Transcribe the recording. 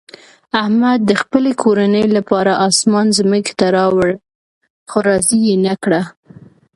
احمد د خپلې کورنۍ لپاره اسمان ځمکې ته راوړ، خو راضي یې نه کړه.